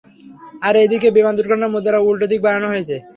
আর এটাকেই বিমান দূর্ঘটনার মুদ্রার উল্টো দিক বানানো হয়েছে?